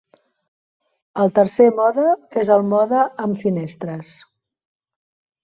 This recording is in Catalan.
El tercer mode és el mode amb finestres.